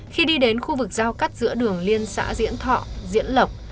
khi đi đến khu vực giao cắt giữa đường liên xã diễn thọ diễn lộc